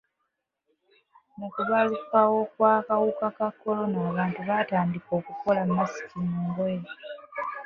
Mu kubalukawo kw'akawuka ka kolona abantu baatandika okukola masiki mu ngoye.